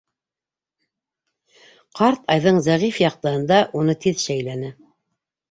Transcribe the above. Ҡарт айҙың зәғиф яҡтыһында уны тиҙ шәйләне.